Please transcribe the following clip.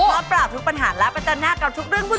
ปราบทุกปัญหาและประจันหน้ากับทุกเรื่องวุ่น